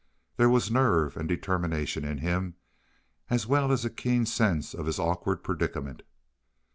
There was nerve and determination in him, as well as a keen sense of his awkward predicament.